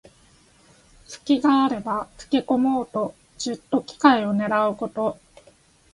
すきがあればつけこもうと、じっと機会をねらうこと。